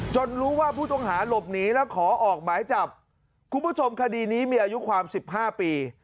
รู้ว่าผู้ต้องหาหลบหนีแล้วขอออกหมายจับคุณผู้ชมคดีนี้มีอายุความ๑๕ปี